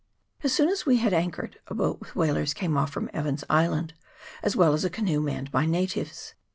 As soon as we had anchored, a boat with whalers came off from Evans's Island, as well as a canoe manned by natives.